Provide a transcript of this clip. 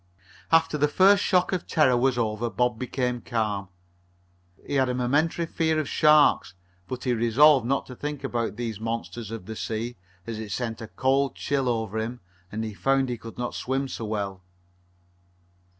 After the first shock of terror was over Bob became calm. He had a momentary fear of sharks, but he resolved not to think about these monsters or the sea, as it sent a cold chill over him and he found he could not swim so well.